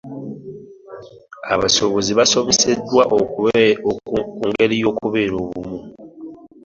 Abasuubuzi basomesedwa ku ngeri y'okukebera bbomu.